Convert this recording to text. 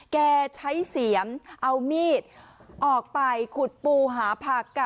แกใช้เสียมเอามีดออกไปขุดปูหาผัก